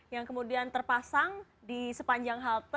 yang kemudian terpasang di sepanjang halte